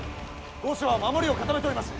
御所は守りを固めております。